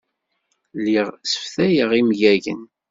Lliɣ sseftayeɣ imyagen.